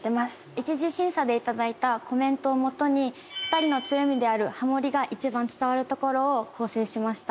一次審査でいただいたコメントをもとに２人の強みであるハモリがいちばん伝わるところを構成しました。